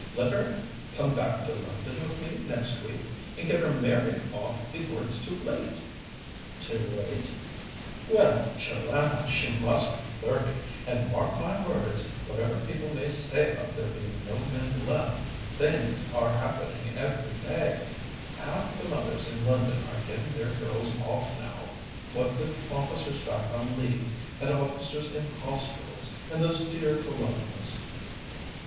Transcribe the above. Let her come back to London with me next week, and get her married off before it's too late." "Too late?" "Well, Joanna, she must be thirty, and, mark my words, whatever people may say about there being no men left, things are happening every day. Half the mothers in London are getting their girls off now, what with officers back on leave and officers in hospitals, and those dear Colonials.